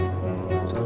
bisa kacau jadi taman